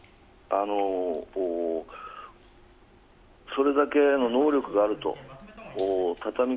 それだけの能力があると。